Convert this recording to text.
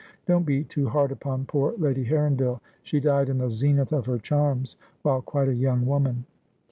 Don't be too hard upon poor Lady Heronville. She died in the zenith of her charms, while quite a young woman.'